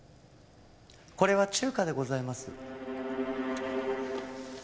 これは中華でございます。